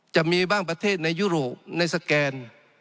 จะมีบ้างประเทศในยุโรปในสแกน